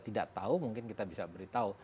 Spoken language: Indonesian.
tidak tahu mungkin kita bisa beritahu